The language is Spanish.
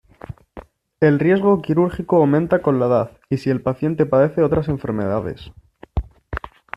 El riesgo quirúrgico aumenta con la edad y si el paciente padece otras enfermedades.